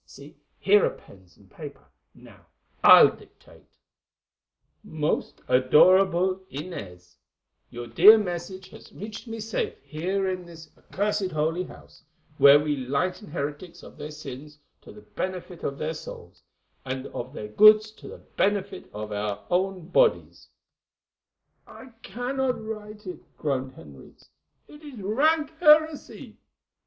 See, here are pens and paper. Now I'll dictate: "'Most Adorable Inez, "'Your dear message has reached me safely here in this accursed Holy House, where we lighten heretics of their sins to the benefit of their souls, and of their goods to the benefit of our own bodies——'" "I cannot write it," groaned Henriques; "it is rank heresy."